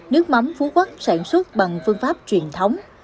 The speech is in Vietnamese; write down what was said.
nước mắm phú quốc sản xuất bằng phương pháp truyền thống